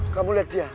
kamu lihat dia